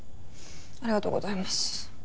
ありがとうございます。